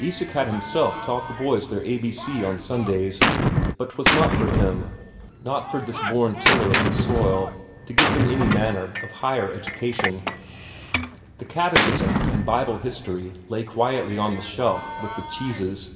Isak had himself taught the boys their A B C on Sundays, but 'twas not for him, not for this born tiller of the soil, to give them any manner of higher education; the Catechism and Bible history lay quietly on the shelf with the cheeses.